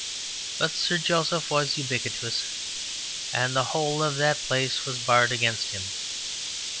But Sir Joseph was ubiquitous; and the whole of that place was barred against him.